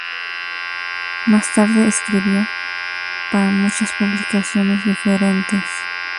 Más tarde escribió para muchas publicaciones diferentes.